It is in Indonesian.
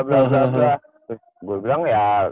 terus gue bilang ya